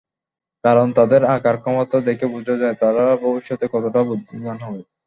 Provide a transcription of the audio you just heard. কারণ তাদের আঁকার ক্ষমতা দেখে বোঝা যায়, তারা ভবিষ্যতে কতটা বুদ্ধিমান হবে।